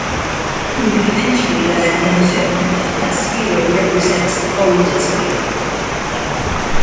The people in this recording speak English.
We will eventually learn in the film that Spiro represents the "old" Italy.